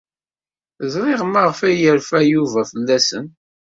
Ẓriɣ maɣef ay yerfa Yuba fell-asen.